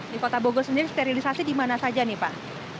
di kota bogor sendiri sterilisasi di mana saja nih pak